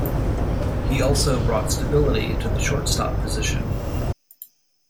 He also brought stability to the shortstop position.